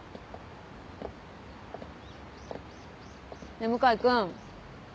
ねぇ向井君？